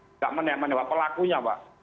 tidak menemani pelakunya mbak